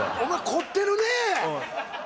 凝ってるねぇ。